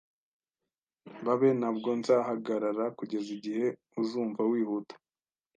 Babe, ntabwo nzahagarara kugeza igihe uzumva wihuta